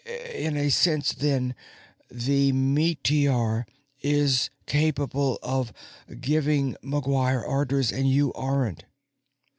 In a sense, then, the meteor is capable of giving McGuire orders, and you aren't."